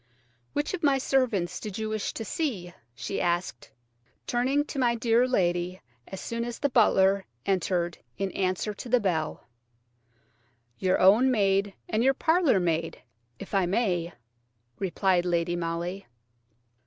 "Which of my servants did you wish to see?" she asked, turning to my dear lady as soon as the butler entered in answer to the bell. "Your own maid and your parlour maid, if I may," replied Lady Molly.